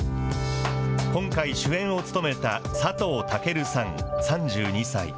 今回、主演を務めた佐藤健さん３２歳。